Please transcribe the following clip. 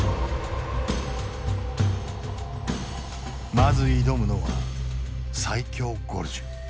まず挑むのは最狭ゴルジュ。